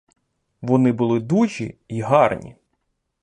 Вони були дужі й гарні.